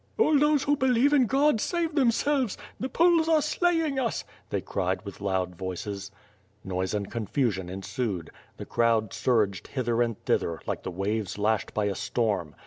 "All those who believe in God, save themselves! The Poles are slaying us," they cried with loud voices. Noise and confusion ensued. The crowd surged hither and thither, like the waves lashed by a storm.